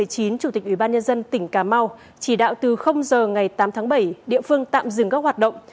tỉnh ubnd tỉnh cà mau chỉ đạo từ giờ ngày tám tháng bảy địa phương tạm dừng các hoạt động